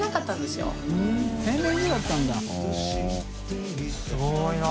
すごいな。